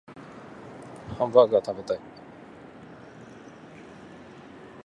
ハンバーグが食べたい